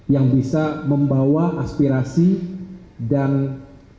yang bisa membawa aspirasi dan kepentingan